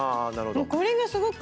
これがすごく。